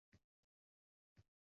Butunlay uyqum o‘chib ketadi.